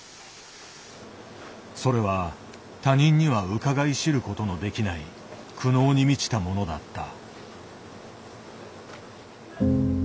それは他人にはうかがい知ることのできない苦悩に満ちたものだった。